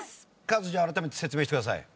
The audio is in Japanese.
カズじゃあ改めて説明してください。